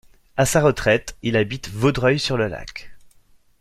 À sa retraite, il habite Vaudreuil-sur-le-Lac.